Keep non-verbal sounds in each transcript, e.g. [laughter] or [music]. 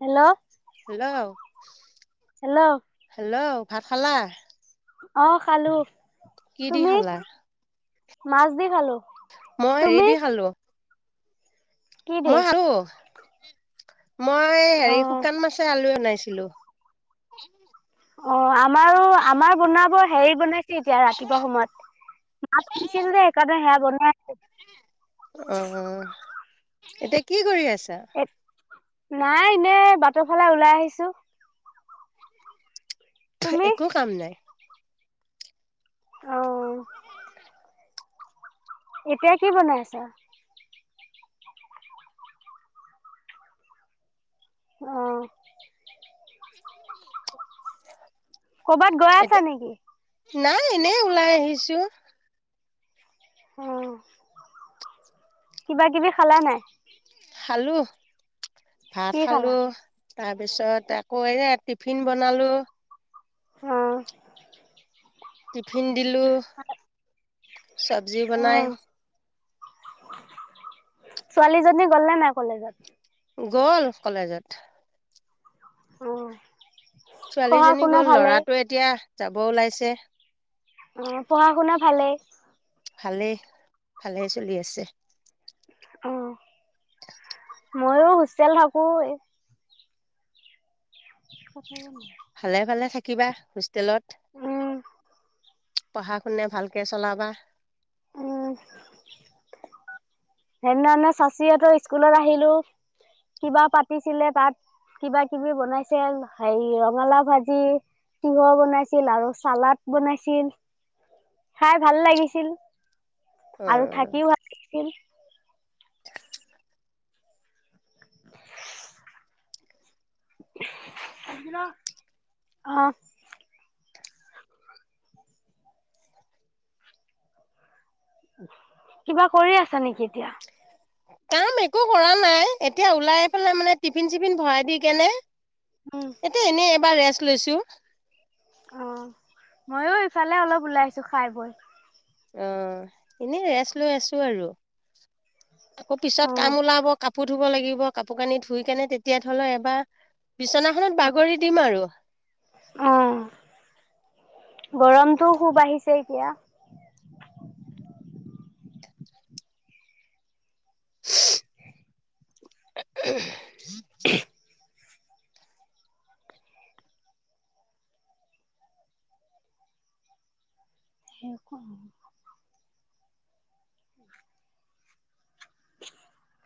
Hello hello! Hello hello! ভাত খালা? অ' খালো। কি দি তুমি খালা? মাছ দি খালো। মই হেৰি তুমি দি খালো। কি দি মই আলু, মই অ হেৰি শুকান মাছে আলুৱে বনাইছো। হেল্ল'! অ' আ আমাৰো আমাৰ বনাবই। হেৰি বনাইছে এতিয়া, ৰাতিপুৱা সময়ত [unintelligible] সেইকাৰণে সেয়া বনাই আছে। অ এতিয়া কি কৰি আছা? নাই এনে বাটৰ ফালে ওলাই আহিছো। [unintelligible] তুমি একো কাম নাই। অহ', এতিয়া কি বনাই আছা? অহ', [unintelligible] ক'বাত গৈ আছা এতিয়া নেকি? নাই এনে ওলাই আহিছো। অ, কিবা-কিবি খালা নে নাই? খালো। ভাত কি খালো। খালা তাৰপিছত আকৌ এইয়া টিফিন বনালো। অ'। টিফিন দিলো চবজি অ বনাই। ছোৱালীজনী গ'লে নাই কলেজত। গ'ল কলেজত। অ'। পঢ়া ছোৱালীজনী শুনা গ'ল, ভালেই ল'ৰাটো এতিয়া যাব ওলাইছে। অ' পঢ়া-শুনা ভালেই। ভালেই, ভালে চলি আছে। অ'। [inaudible] মইয়ো হোস্তেল থাকো এ' [unintelligible] ভালে, ভালে থাকিবা হোষ্টেলত, উম, পঢ়া-শুনা ভালকে চলাবা। উম'। সেইদিনাখনে চাচিহঁতৰ স্কুলত আহিলো কিবা পাতিছিলে, তাত কিবা কিবি বনাইছিল, হেৰি ৰঙালাও ভাজি, তিহঁহ বনাইছিল আৰু চালাড বনাইছিল। খাই ভাল লাগিছিল। আৰু উম থাকিও ভাল লগিছিল। অ'। কিবা কৰি আছা নেকি এতিয়া। কাম একো কৰা নাই, এতিয়া ওলাই পেলাই মানে টিফিন-চিফিন ভৰাই দি কেনে উম, এতিয়া এনেই এবাৰ ৰেস্ত লৈছো। অ' ময়ো ইফালে অলপ ওলাই আহিছো খাই বৈ অ' এনেই ৰেষ্ট লৈ আছো আৰু আকৌ অ পিছত কাম ওলাব, কাপোৰ ধুব লাগিব। কাপোৰ-কানি ধুই কেনে, তেতিয়া ধৰি লও এবাৰ বিচনাখনত বাগৰি দিম আৰু অ গৰমটো খুব বাহিছে এতিয়া [unintelligible] [unintelligible] [inaudible] [inaudible] [inaudible] [unintelligible]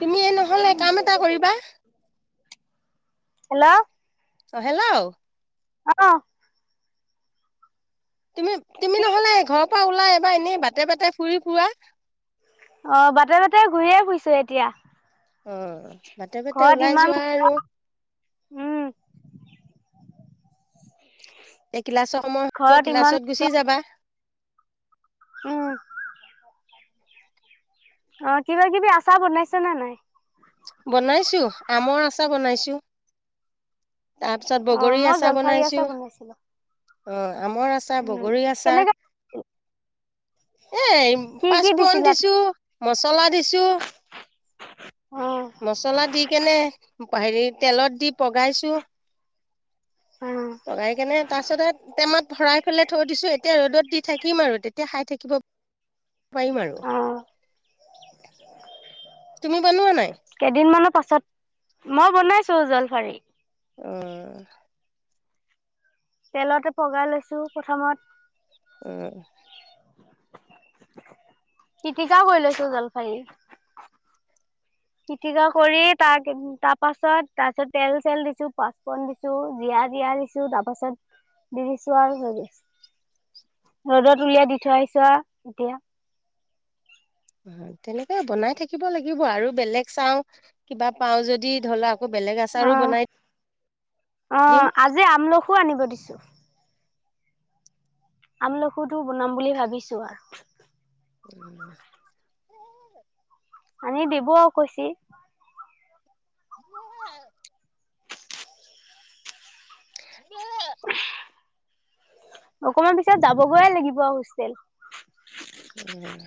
তুমিয়ে নহ'লে কাম এটা কৰিবা। হেল্ল'। অ' হেল্ল'। অহ। তুমি -তুমি কি নহলে ঘৰত অ' ওলাই এবাৰ এনে বাটে- বাটে ফুৰি ফুৰা অ বাটে বাটে ঘূৰিয়ে ফুৰিছো এতিয়া। অ বাটে-বাটে ঘৰত ওলাই ইমান যোৱা আৰু। উম এ ক্লাছৰ সময় হব ঘৰত ইমান ক্লাছত গুচি যাবা। উম। অ কিবা- কিবি আচাৰ বনাইছা নে নাই? বনাইছো। আমৰ আচাৰ বনাইছো। তাৰপিছত অ বগৰী মই আচাৰ জলফাৰী বনাইছো। আচাৰ বনাইছিলো অহ। আমৰ আচাৰ, উম বগৰী আচাৰ, কেনেকে এ কি কি পাঁচফোৰণ দিছিলা দিছো। মচলা দিছো। অ মচলা দি কেনে হেৰি তেলত দি পগাইছো। অ বনাই কেনে তাৰপিছতে টেমাত ভৰাই পেলাই থৈ দিছো। এতিয়া ৰ'দত দি থাকিম আৰু, তেতিয়া খাই থাকিব পাৰিম আৰু। অ তুমি বনোৱা নাই? কেইদিনমানৰ পাছত ত। মই বনাইছো জলফাৰী। অহ তেলতে পগাই লৈছো প্ৰথমত। আহ পিতিকা কৰি লৈছো জলফাৰী পিটিকা কৰি তাক -তাৰপাছত- তাৰপিছত তেল চেল দিছো। পাঁচফোৰণ দিছো। জীয়া চীয়া দিছো। তাৰ পাছত দি দিছো আৰু। ৰদত উলিয়াই দি থৈ আহিছো আৰু এতিয়া। শিকিব লাগিব আৰু। বেলেগ চাও, কিবা পাও যদি ধলাও আকৌ বেলেগ আচাৰো বনাই অ'হ। দিম। আজি আমলখো আনিব দিছো। আমলখুটো বনাম বুলি ভাবিছো আৰু। উম আনি দিব কৈছি। [inaudible] [inaudible] অকমান পিছত যাবগৈয়ে লাগিব আও হোষ্টেল। উম।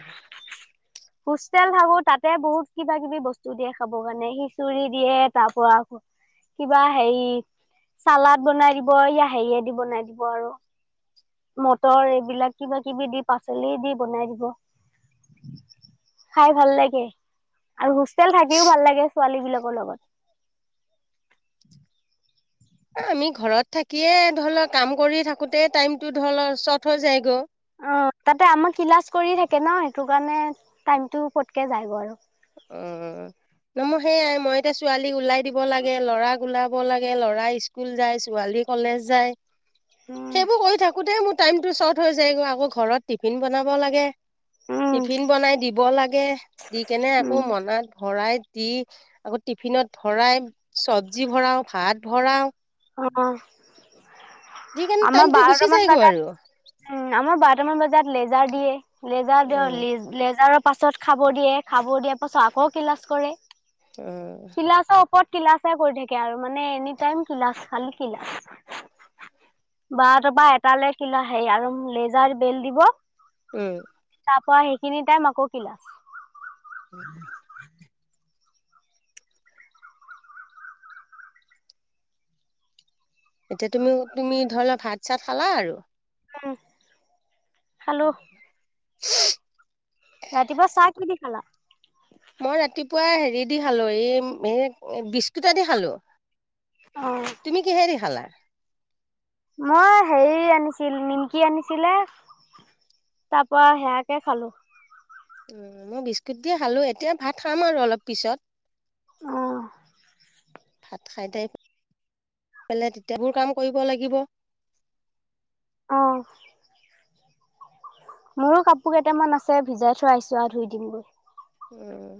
হোষ্টেল থাকোঁ। তাতে বহুত কিবা-কিবি বস্তু দিয়ে। খাব কাৰণে। খিঁচুৰি দিয়ে। তাৰ পৰা আৰ কিবা হেৰি চালাড বনাই দিব। ই হেৰিয়েদি বনাই দিব আৰু। মটৰ এইবিলাক কিবা- কিবি দি পাচলি দি বনাই দিব। খাই ভাল লাগে। আৰু হোচ টাল থাকিও ভাল লাগে। ছোৱালী বিলাকৰ লগত। আমি ঘৰত থাকিয়ে ধৰ ল' কাম কৰি থাকোতে টাইমতটো ধৰ ল' শৰ্ট হৈ যায়গৈ। অ' তাতে আমাক ক্লাছ কৰি থাকে ন, সেইটো কাৰণে টাইমতটো পটকে যায় গৈ আৰু। উম, মোৰ সেইয়াই মই এতিয়া ছোৱালীক ওলাই দিব লাগে, ল'ৰাক ওলাব লাগে, ল'ৰা স্কুল যায় ছোৱালী কলেজ যায়। উম, সেইবোৰ কৰি থাকোতে মোৰ টাইমতটো শ্বৰ্ট হৈ যায়গৈ, আকৌ ঘৰত টিফিন বনাব লাগে। উম, টিফিন বনাই দিব লাগে দি কেনে আ উম, তাত ভৰাই দি আকৌ টিফিনত ভৰাই চবজি ভৰাও, ভাত ভৰাও। অ' দি কেনে অ'। আমাৰ টাইমটো গুচি বাৰটা মান যায়গৈ বজাত, আৰু উম আমাৰ বাৰ কেইটামান বজাত লেজাৰ দিয়ে। লেজাৰ দিয়ক উম লি লেজাৰ পাছত খাব দিয়ে, খাব দিয়াৰ পাছত আকৌ ক্লাছ কৰে। উম। ত ক্লাছে কৰি থাকে আৰু মানে এনিটাইম ক্লাছ খালি ক্লাছ, বাৰতাপা এটালৈ কিলা আৰু লেজাৰ বেল্ট দিব। উম। পোৱা সেইখিনি টাইম আকৌ ক্লাছ। [inaudible] এতিয়া তুমি তুমি ধৰ ল ভাত চাত খালা আৰু। উম। খালোঁ। কি দি খালা মই ৰাতিপুৱা হেৰি দি খালো, এই এই বিস্কুটে দি খালোঁ। অ'। তুমি কিহেদি খালা? মই হেৰি আনিছিল নিমকি আনিছিলে, তাৰ পৰা হেয়াকে খালো। উম উ, মই বিস্কুট দিয়ে খালো এতিয়া ভাত খাম আৰু অলপ পিছত। অ'। ভাত খাই তাই, পেলাই তেতিয়াবোৰ কাম কৰিব লাগিব। অ'। মোৰো কাপোৰ কেইটামান আছে, ভিজাই থৈ আহিছো আৰু ধুই দিমগৈ। উম,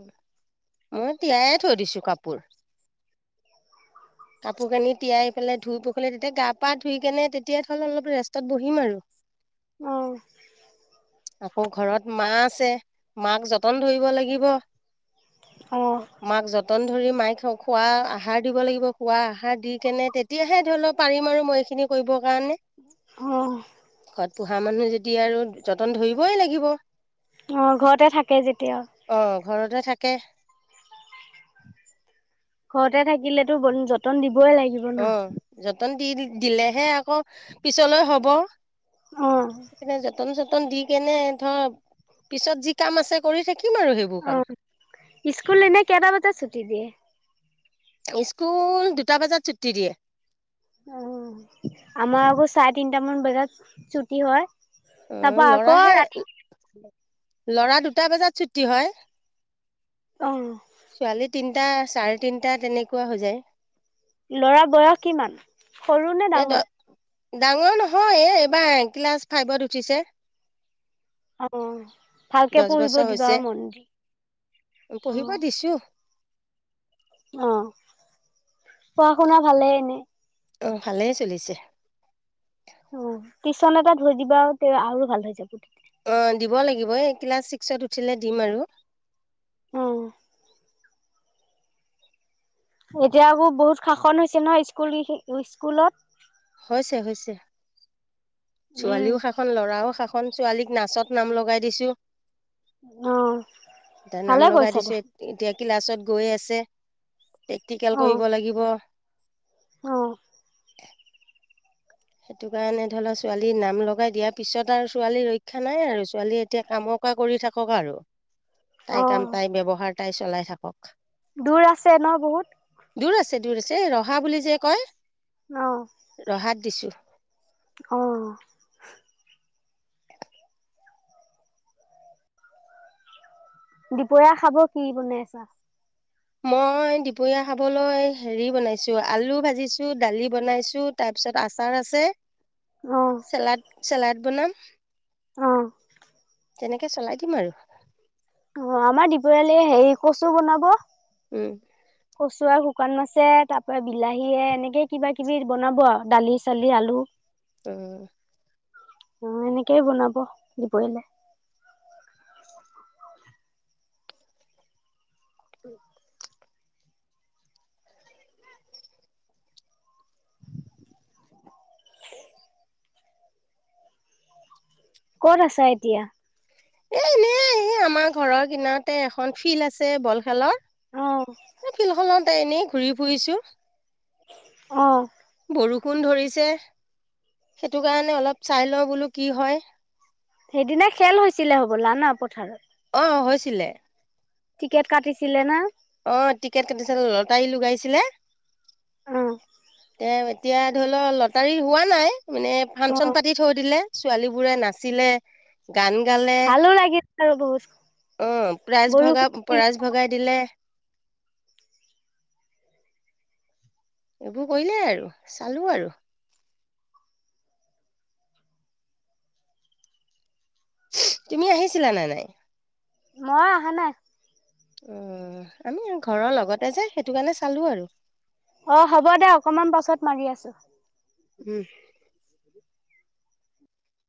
মই তিয়াই থৈ দিছো কাপোৰ। কাপোৰ কানি তিয়াই পেলাই ধুই পপেলে তেতিয়া গা পা ধুই কেনে তেতিয়া থ অলপ ৰেষ্টত বহিম আৰু। অ'। আকৌ ঘৰত মা আছে, মাক যতন ধৰিব লাগিব। অ মাক যতন ধৰি মাইক খোৱা আহাৰ দিব লাগিব, খোৱা আহাৰ দি কেনে তেতিয়াহে ধৰি লওক পাৰিম আৰু মই এইখিনি কৰিবৰ কাৰণে। অ'। ঘৰত পোহা মানুহ যদি আৰু য'ত তন ধৰিবই লাগিব। অ' ঘৰতে থাকে যেতিয়া। অ ঘৰতে থাকে। ঘৰতে থাকিলেতো যতন দিব অ' যতন দি দিলেহে আকৌ পিছলৈ হব, অ যতন নতন দি কেনে ধৰ, পিছত যি কাম আছে কৰি থাকি অ' স্কুল এনে কেটা বজাত ছুটি দিয়ে? স্কুল দুটা বজাত ছুটি দিয়ে। অ' আমাৰ আকৌ চাৰে তিনটামান বজাত ছুটি হয়। অ তাৰপা আকৌ ল'ৰাহে ৰাতি লৰা দুটা বজাত ছু্টি হয়। অ'। ছোৱালী তিনটা চাৰে তিনটা তেনেকুৱা হৈ যায়। লৰা বয়স কিমান, সৰু নে এ দ ডাঙৰ? ডাঙৰ নহয় এইবাৰ ক্লাছ ফাইভত উঠিছে। অ'। ভালকে দহ পঢ়িব বছৰ দিবা হৈছে আৰু মন দি, অ'। পঢ়িব দিছো আহ। পঢ়া শুনা ভালে এনে। আহ ভালে চলিছে। উম। টিশন এটা ধৰি দিবা তে আৰু ভাল হৈ যাব। অ' দিব লাগিব এই ক্লাছ ছিক্সত উঠিলে দিম আৰু। আহ। এতিয়া আকৌ বহুত শাসন হৈছে নহ স্কুল স্কুলত। হৈছে হৈছে। উম। ছোৱালীও শাসন ল'ৰাও শাসন ছোৱালীক নাচত নাম লগাই দিছো। এতিয়া অ' নাম ভালে লগাই কৰিছা দিছো দে। এতিয়া ক্লাছত গৈ আছে প্ৰেক্টিকেল অ', কৰিব লাগিব অ'। [unintelligible] সেইটো কাৰণে ধৰি ল ছোৱালী নাম লগাই দিয়াৰ পিছত আৰু ছোৱালী ৰক্ষা নাই আৰু, ছোৱালীয়ে এতিয়া কামকা কৰি থাকক আৰু। তাই কাম অ', তাই ব্যৱহাৰ তাই চলাই থাকক। দূৰ আছে ন বহুত? দূৰ আছে দূৰ আছে, এই ৰহা বুলি যে কয় অ', ৰহাত দিছো। অ'। দুপৰীয়া খাব কি বনাই আছা? মই দুপৰীয়া খাবলৈ হেৰি বনাইছো আলু ভাজিছো দালি বনাইছো তাৰপিছত আচাৰ আছে। অ', চালাদ, চালাদ। বনাম। অঁ। তেনেকে চলাই দিম আৰু। অ আমাৰ দুপৰীয়ালৈ হেৰি কচু বনাব। উম। কচু আৰু শুকান মাছে তাৰ পৰা বিলাহীয়ে এনেকে কিবা কিবি বনাব আৰু দালি চালি আলু। উম। অঁ, এনেকেই বনাব দুপৰীয়ালে। উম। ক'ত আছা এতিয়া? এ এনেই, এই আমাৰ ঘৰৰ কিনাৰতে এখন ফিল্ড আছে বল খেলৰ। অ', ফিল খলতে এনেই ঘূৰি ফুৰিছো। অঁ। বৰষুণ ধৰিছে সেইটো কাৰণে অলপ চাই লওঁ বোলো কি হয়। সেইদিনা খেল হৈছিলে হ'বলা না পথাৰত? অ হৈছিলে। টিকেট কাটিছিলে না? অ টিকেট কাটিছিলোঁ লতাৰী লগাইছিলে। অঁ। তে এতিয়া ধৰি লও লটাৰী হোৱা নাই। মানে ফাংচন অ', পাতি থৈ দিলে। ছোৱালী বোৰে নাছিলে গান -গালে, ভালো লাগিল আৰু বহুত অঁ, প্ৰাইজ বৰষুণ ভগাই দিলে, প্ৰাইজ ভগাই দিলে। এইবোৰ কৰিলে আৰু, চালো আৰু। তুমি আহিছিলা নে নাই? মই অহা নাই। অ আমি ঘৰৰ লগতে যে সেইটো কাৰণে চালো আৰু। অ হ'ব দে অকমান পাছত মাৰি আছো। উম।